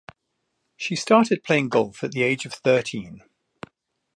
She started playing golf at the age of thirteen.